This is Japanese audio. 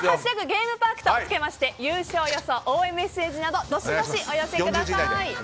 「＃ゲームパーク」とつけまして優勝予想、応援メッセージなどどしどしお寄せください。